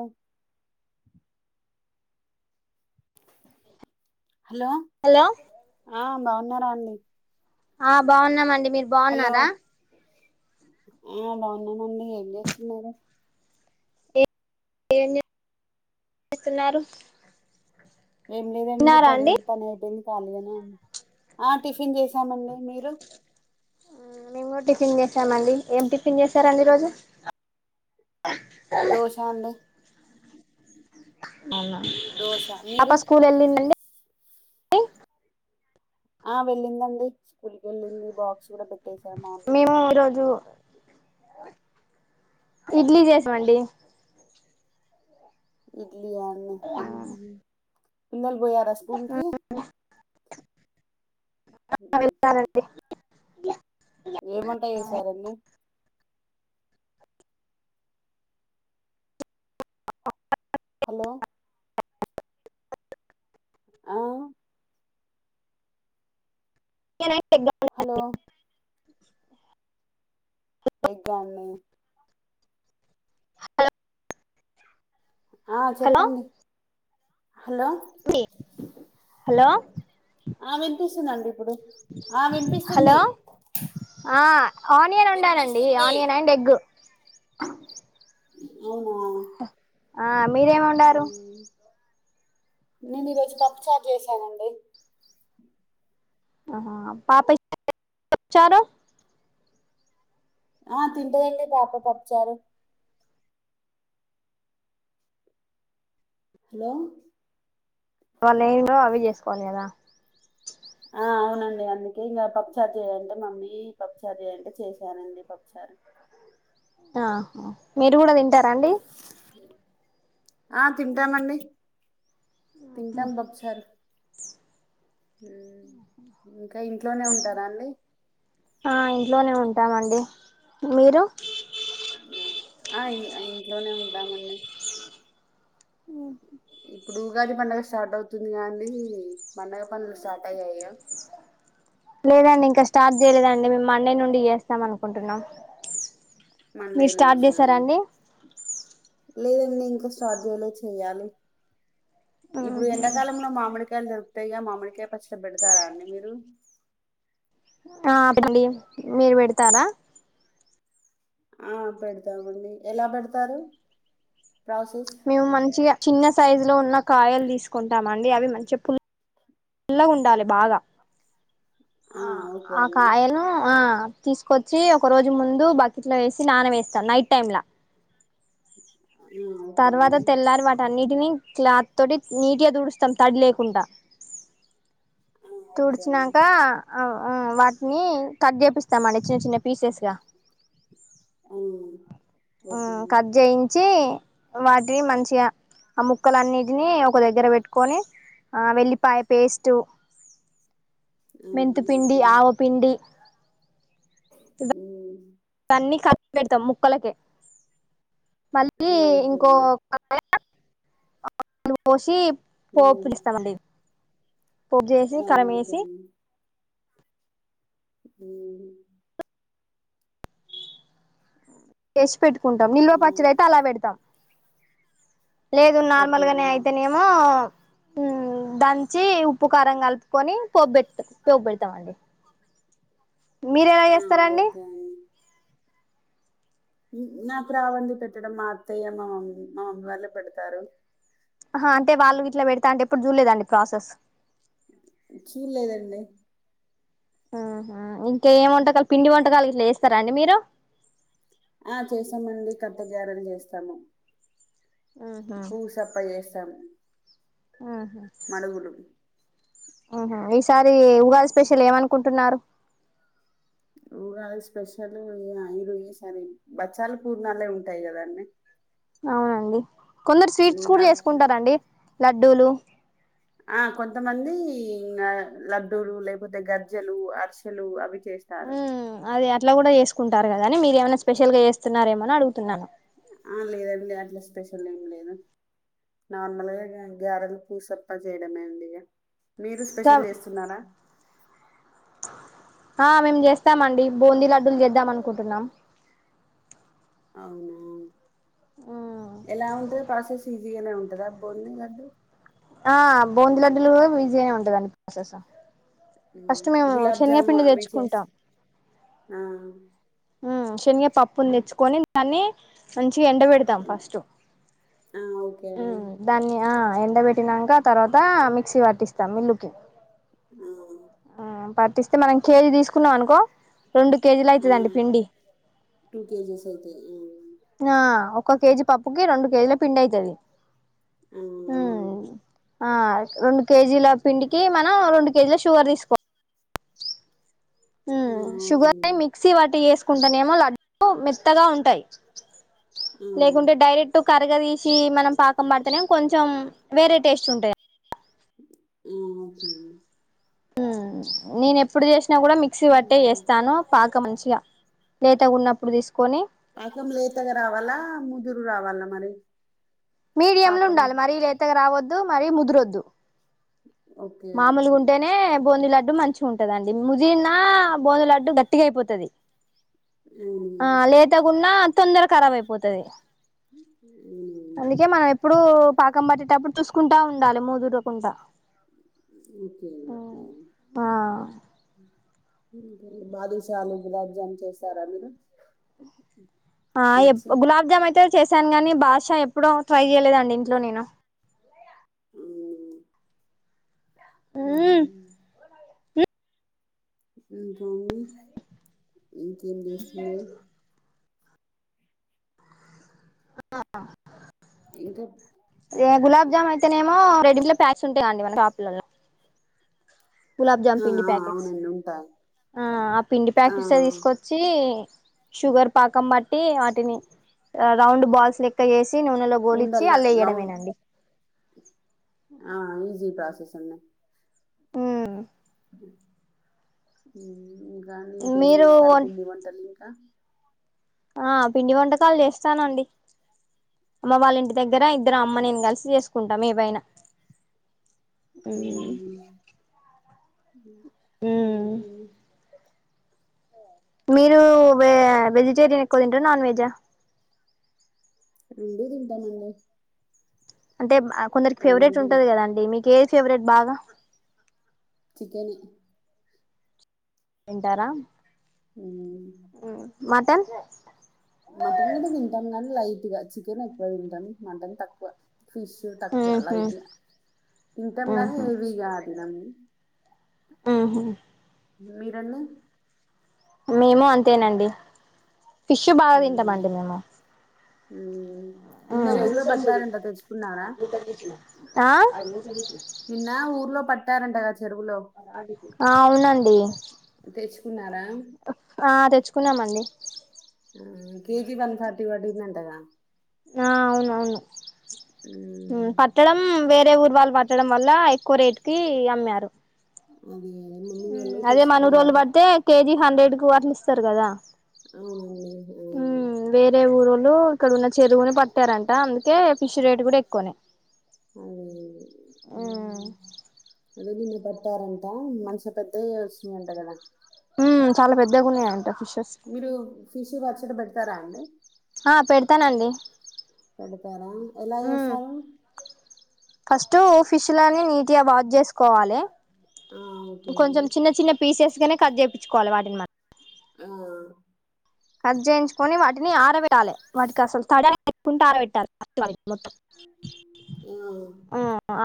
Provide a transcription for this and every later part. అవు hello hello ఆ బాగున్నారా అండి ఆ బాగున్నామండి మీరు హలో బాగున్నారా ఆ బాగున్నానండి ఏం జెస్సున్నారు ఏం జేస్తున్నారు ఏం లేదండి ప్రజెంట్ పని అయిపోయింది ఖాళీగానే ఉన్న ఆ టిఫిన్ జేసి ఏమండి మీరు మేము కూడా టిఫిన్ చేసామండి ఏం టిఫిన్ చేసార అండి ఈరోజు దోశ అండి అవునా దోశ పాప మీరు స్కూల్ వెళ్ళిందండి ఆ వెళ్ళిందండి స్కూల్కి వెళ్ళింది బాక్స్ కూడా పెట్ మేము రోజు ఇడ్లీ చేసామండి ఇద్ ఇడ్లీ ఆ అండి ఊ పిల్లల్ పోయారా స్కూల్కి ఉహుమ్ వెళ్తానండి ఏం వంట చేసారండి హలో ఆ శనగ పిండి హలో ఎగ్ అండి ఆ హలో చెప్పండి హలో హలో ఆ వినిపిస్తుందండి ఇప్పుడు ఆ వినిపిస్తుంది హలో ఆ ఆనియన్ వండానండి వినిపిస్తుంది ఆనియన్ అండ్ ఎగ్ అవునా ఆ మీరేం వండారు మ్మ్. నేను ఈరోజు పప్పు చారు చేసానండి ఆహా పాప [inaudible] పప్పు చారు ఆ తింటాదండి పాప పప్పుచారు హలో వాళ్ళ ఏవో అవే చేసుకోవాలి కదా ఆ అవునండి అందుకే ఇంకా పప్పుచార్ చేయి అంటే మమ్మీ పప్పుచార్ చేయ అంటే చేశానండి పప్పుచారు ఆహ మీరు కూడా తింటారా అండి ఆ తింటామండి తింటాం పప్పుచారు ఉమ్ ఇంకా ఏ ఇంట్లోనే ఉంటారా అండి ఆ ఇంట్లోనే ఉంటామండి. మీరు అవున ఆహ్ ఇ ఇంట్లోనే ఉంటామండీ ఇప్పుడు ఉగాది పండగ స్టార్ట్ అవుతుంది. కా అండి పండగ పనులు స్టార్ట్ అయ్యాయా ఇంక స్టార్ట్ చేయలేదండి. మేము మండే నుండి చేస్తాం అనుకుంటున్నాం. మండే మీరు స్టార్ట్ నుంచి చేసారా అండి. లేదండి ఇంకా స్టార్ట్ చేయలే చెయ్యాలి. ఇప్పుడు ఎండాకాలంలో మామిడిక కాయలు దొరుకుతాయిగా. మామిడికాయ పచ్చడి పెడతారా అండి మీరు ఆహ్ పెడతామాండి మీరు పెడతారా ఆ పెడతామండి ఎలా పెడతారు. ప్రాసెస్ మేము మంచిగా చిన్న సైజు లో ఉన్న కాయలు తీసుకుంటాం. మండి అవి మంచి పుల్ పుల్లగుండాలి బాగా ఆ ఓకే ఆ అండి కాయలు ఆహ్ తీసుకొచ్చి. ఒక రోజు ముందు బకెట్లో వేసి నాన వేస్తాం నైట్ టైంమ్లా. ఉహ్ హు తర్వాత తెల్లారీ వాటి అన్నిట్ ని క్లాత్ తోటి నీటిగా తూడుస్తాం. తడి లేకుండా. ఆ ఓకే అండి తుడ్చిన్నాంక ఆహ్ వాటిని కట్ చేపిస్తామండి. చిన్న చిన్న పీసెస్గా ఆ ఓకే ఆహ్ అండి కట్ చేయించి. వాటిని మంచిగా ఆ ముక్కల అన్నిటిని ఒక దగ్గర పెట్టుకొని ఆ వెల్లిపాయ పేస్ట్. ఆ మెంతి పిండి, ఆవపిండి ఉహ్ ఇవన్నీ కల్పి పెడతాం ముక్కలకే ఆ మళ్ళీ ఓకే ఇంకో అండి ఆహ్ పోషిప్ ఉమ్, పోపులీస్తామండి పోప్పు చేసి ఆ ఓకే కరమేసి ఉహ్ టెష్ పెట్టుకుంటాం. నిల్వ ఆ పచ్చడి అయితే అలా పెడతాం. లేదు ఓకే నార్మల్ గానే అండి అయితేనేమో దంచి ఉప్పు కారం కలుపుకొని పో్ పెట్ పో పెట్ పెడతామండి మీరు ఎలా ఆ చేస్తారండి ఓకే అండి నాకు రావండి పెట్టడం మా అత్తయ్య మా మమ్మీ మా మమ్మీ వాళ్ళే పెడతారు అహ అంటే వాళ్ళు విట్ల పెడతా అంటే ఎప్పుడు చూడలేదా అండి ప్రాసెస్ చూడలేదు అండి ఇంకా ఏంవంట కల్పి పిండి వంటకాలు గిట్ల చేస్తారండి మీరు ఆ చేసామండి కత్త గారలు చేస్తాము ఉహు పూసప్ప చెస్ తం మడుగులు ఆహ ఈసారి ఉగాది స్పెషల్ ఏమనుకుంటున్నారు ఉగాది స్పెషల్ అఐరు [unintelligible] ఈ సర బచ్చాలు పూర్ణాలే ఉంటాయి కదండీ అవునండి కొందరు స్వీట్స్ కూడా చేసుకుంటారండి ల డ్డులు ఆ కొంతమంది లడ్డూలు లేకపోతే గర్జెలు అరిసెలు అవి చేస్తారు హ్మ్ అది అట్లా కూడా చేసుకో ఉంటారు కా కానీ మీరుేమై స్పెషల్ గా చేస్తున్నారు ఏమో అని అడుగుంటతున్నాను లేదండి అట్లా స్పెషల్ ఏమి లేదు నార్మల్గా గ్యారెలు పూసప్ప చేయడమే అండి ఇగ మీరు స్పెషల్ ఇంకా చేస్తున్నారా ఆ మేము చేస్తామండి బూందీ లడ్డలు చేద్దాం అనుకుంటున్నాం అవునా ఎలా ఉంటది ప్రసెస్ ఈజీగానే ఉంటందా బోంది లడ్డు ఆ బూంద లడ్డలు కూడా బిజీగానే ఉంటద అండి ప్రాసెస్ ఫస్ట్ మేము గులాబ్ జము శనగపిండి అవి చేస్ తెచ్చుకుంటాం ఆ శనగ పప్పు తెచ్చుకొని దాన్ని మంచిగా ఎండ పెడతాం తెల్- ఫస్ట్ ఆ ఓకే అండి దాన్ని ఆహ్ ఎండ పెట్టినాక తర్వాత మిక్సీ పట్టిస్తాం మిల్లుకి ఆ ఆ పట్టిస్తే మనం కేజీ తీసుకున్నాం అనుకో రెండు కేజీలు ఆ అయితండి టూ కేజీస్ అయితాయి ఆ ఆ ఒక కేజీ పప్పుకి రెండు కేజీల పిండి అవుతుది ఆ అవును ఆ రెండు కేజీల పిండికి మనం రెండు కేజీల షుగర్ తీసుకోవాలి ఆ ఓకే శుగర్ అండి మిక్స వాటిస్ కుంటానేమో లడ్డ మెత్తగా ఉంటాయి ఆ లేకుంటే డైరెక్ట్ కరగ తీసి మనం పాకం పడితేనే కొంచెం వేరే టేస్ట్ ఉంటుంది ఆ ఓకే అండి నేను ఎప్పుడు చేస కూడా మిక్సీ బట్టే ఉమ్. వేస్తాను పాక మంచిగా లేతగ ఉన్నప్పుడు తీసుకొని పాకం లేతగా రావాలా ముదురు రావాలా మరి మీడియం లో పాకం ఉండాలి మరి లేతగా రావద్దు మరి ముదురొద్దు ఓకే మామూలు ఓకే గుంటేనే బోందిలా అడ్డు మంచి ఉంటదండి ముదనా బోందు అడ్డు గట్టిగా అయిపోతుది అవును. ఆ లేతకున్నా తొందర కరాబ్ అయిపోతుది ఉమ్. అందుకే మనం ఎప్పుడు పాకం పట్టేటప్పుడు చూసుకుంటా ఉండాలి ముదురకుండా ఓకే ఓకే ఆ బాదుశాలు గులాబ్ జామ్లు చేస్తారా మీరు ఆ స్వీట్స్ గులాబ్జామ్ అయితే చేశాను గాని బాద్షా ఎప్పుడూ ట్రై చేయలేదండి ఇంట్లో నేను అ మ్మ్ అ ఇంకేం చేస్తున్నారు ఇంకా ఆ గులాబ్జాము అయితేనేమో రెడీ ఇట్లా ప్యాక్స్ ఉంటాయా అండి మన షాపులలో గులాబ్ జామ్ ఆ పిండి ఆ ప్యాకెట్స్ అవునండి ఉంటాయి ఆ ఆ పిండి ఆ ప్యాకెట్స్ తీసుకొచ్చి షుగర్ పాకం బట్టి వాటిని రౌండ్ బాల్స్ లెక్క చేసి నూనెలో గోలిచ్చి ఉండల్లా అళ్ళ లౌన్ వేయడమేనండి ఆ ఈజీ ప్రసె స్తు సన్నాం హ్మ్మ్ హ్మ్మ్ కాని ఇంకేం మీరు చేస్తారు వం పిండి వంటలు ఇంకా ఆ పిండి వంటకాలు చేస్తానండి అమ్మ వాళ్ళంటి దగ్గర ఇద్దరు అమ్మ నే కలిసి చేసుకు కుంటాం ఏ పైనా హ్మ్మ్ మ్మ్ హ్మ్మ్ మీరు వెజిటేరియన్ ఎక్కువ తంట నాన్ వెజ్ ఆ రెండూ తింటామండి అంటే కొందరికి రెండు ఫేవరెట్ ఉంటుంది తింటాం కదండి మీకు ఏ ఫెవరెట్ బాగా చికెన్ తింటార హ్మ్మమ్ మటన్ మటన్ కూడా తింటాం కాని లైట్ గా చికెన్ ఎక్కో తింటాం మటన్ తక్కువ ఫిష్ తక్కువ ఉహు లైట్గా తింటాం కానీ ఉహు హెవీగా తినంము ఉ హూ మీరన్నీ మేము అంతేనండి ఫిష్ బాగా తింటామ అండి మేము హ్మ్మ్ నిన్న ఊర్లో పట్టారంట తెచ్చుకున్నార ఆ నిన్న ఊర్లో పట్ట తరంటా అవునండి తెచ్చుకున్నారా ఆ చ్చుకున్నామండి కేజి వన్ ఫార్టీ పడింది అంటగా ఆ అవునవును ఉమ్, పట్టడం వేర వేరే ఊర్వాలు పట్టడం వల్ల ఎక్కువ రేటు కి అమ్మారు అది మమ్మీ వాళ్ళు అదే మనూరోళ్లు తెచ్చుకున్నారట పడితే కేజి హండ్రెడ్ కి అట్లా ఇస్తారు కదా అవునండి ఆ, ఉ వేరే ఊరోళ్లు ఇక్కడన్న చెరువుని పట్టారంట అందుకే ఫిష్ రేట్ కూడా ఎక్కువనే అది ఉ ఉమ్, అదే నిన్న పట్టారంట మంచిగా పెద్దవే వస్తునాయంట కదా ఉ చాలా పెద్దగున్నాయంట ఫిషెస్ ఇస్తారా అండి ఆ పెడతానండి పెడతారా ఎలా చేసారు ఫస్ట్ ఫిష్ లని నీట్ గా వాష్ చేస్త స్కొవాలి ఆ, ఓకే అండి కొంచెం చిన్న చిన్న పీసెస్ కట్ చేపిచుకోవాలి వాటిని మ ఆ కట్ చేయించుకొని వాటిని ఆరబెట్టాలి వాటికి అసలు తడా తెచ్చుకుంటూ ఆరబెట్టాలి మొత్తం ఆ,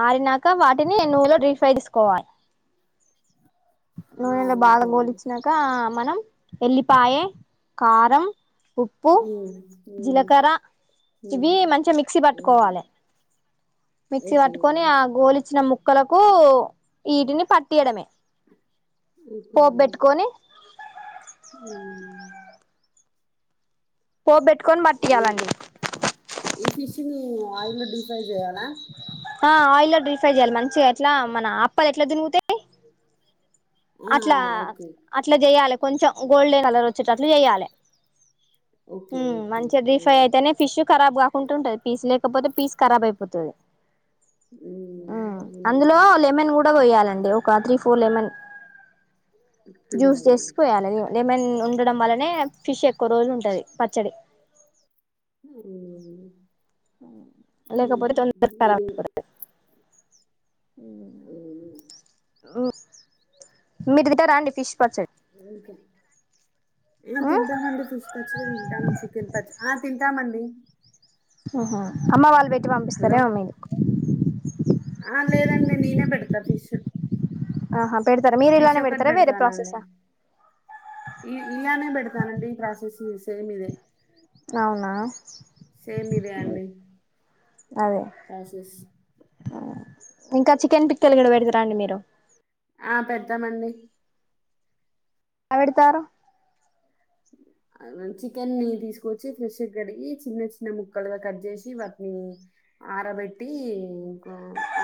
ఆరు నా కక వాటిని నూనెలో డీప్ ఫ్రై జేసుకోవాలి ఆ, నూనెలో బాగా ఓకే అండి గోలిచ్చినాక మనం ఎళ్లిపాయే కారం ఉప్పు ఉమ్, ఉమ్, జీలకర్ర ఇవి ఉమ్. మంచిగా మిక్సీ అవునండి బట్టుకోవాలె మిక్సీ ఓకే పట్టుకొని అండి ఆ గోలిచ్చిన ము క్కలకు వీటిని పట్టియడమే ఓకే పోపు పెట్టుకొని పోబెట్టుకొని ఈ బట్టియ్యాలండి ఈ ఫిష్ని ఆయిల్లో డిఫ్రై చేయాల ఆ ఆయిల్లో డ్రీఫై చేయాలి మంచిగా ఎట్లా మన అప్పలు ఎట్లా తునుగుతాయి ఆ అట్లా ఓకే అట్లా జెయాలి కొంచెం గోల్డెన్ కలర్ వచ్చేటట్లు చెయాలి హ ఓకే ఓకే మంచి ఆ డీఫ్రై అయితేనే ఫిష్ ఖరాబ్ ఉంటుంటది పీస్ లేకపోతే పీస్ ఖరాబ్ అయిపోతుంది మ్మ్ అందులో అవునండి లెమెన్ గూడా పోయ్యాలె అండి ఒక త్రీ ఫోర్ లెమన్ జ్యూస్ పిండాలి జేసి పోయాలి లేమన్ ఉండటడం వల్లనే ఫిష్ ఎక్కువ రోజులు ఉంటుది పచ్చడి మ్మ్ ఇంకా మీరు [unintelligible] ఊ మ్మ్. మీరు గిట రండి ఫిష్ పచ్చడి ఇకా ఆ ఉమ్ తింటామండి ఫిష్ పచ్చడి తింటాం చికెన్ పచ్చ ఆ తింటామండి ఆహా ఆమ్మ వాళ్ళ హలో ఆ లేదండి నేనే పెడతా ఫిష్ ఆహా పెడతారా మీరలానే పెడతారా వేరే ప్రాసెసా ఈ ఇలానే పెడతానండి ఈ ప్రాసెస్ సేమ్ ఇదే అవునా సేమ్ ఇదే అండి అదే ప్రాసెస్ ఆ ఇంకా చికెన్ పిక్కెలు కూడా పెడుతార అండి మీరు ఆ పెడతామండి ఎలా పెడతారు చికెన్ని ని తీసుకొచ్చి ఫ్రెష్ గా కడిగి చిన్న చిన్న ముక్కలుగా కట్ చేసి వాటిని ఆరబెట్టి ఇంకా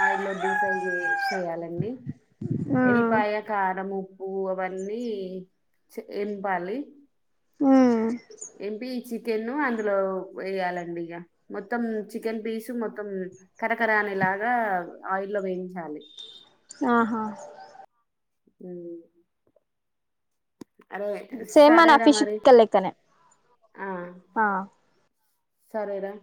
ఆయిల్లో డీఫ్రై చే చేయాలండి ఉమ్ ఎలిపాయ కారము పు అవన్నీ ఎంపాలి మ్ ఎంపి చికెన్ అందులో వేయాలండి ఇక మొత్తం చికెన్ పీసు మొత్తం కరకరా అనే లాగా ఆయిల్లో వేయించాలి ఆహా మ్ అరే సేమ్ మన సరేరా ఫిష్ మరి పిక్కలు లెక్కనే ఆ ఆ సరేరా